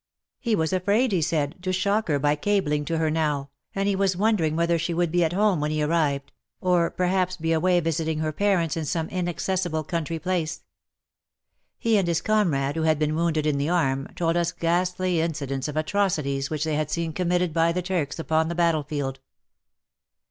He was afraid, he said, to shock her by cabling to her now, and he was wonder ing whether she would be at home when he arrived, or perhaps be away visiting her parents WAR AND WOMEN 53 In some inaccessible country place. He and his comrade, who had been wounded in the arm, told us ghastly incidents of atrocities which they had seen committed by the Turks upon the battlefield.